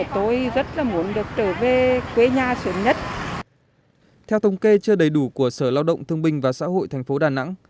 theo thông kê chưa đầy đủ của sở lao động thương bình và xã hội tp đà nẵng